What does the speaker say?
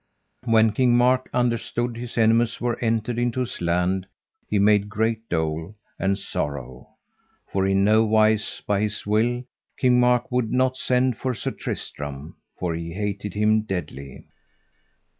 When King Mark understood his enemies were entered into his land he made great dole and sorrow, for in no wise by his will King Mark would not send for Sir Tristram, for he hated him deadly.